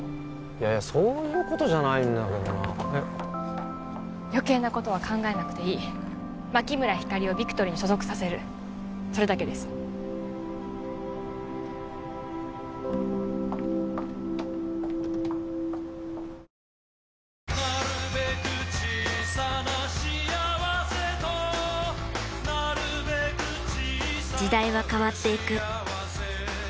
いやいやそういうことじゃないんだけどなえっ余計なことは考えなくていい牧村ひかりをビクトリーに所属させるそれだけです時代は変わっていく。